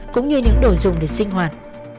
cũng như những đồ dùng để sinh hoạt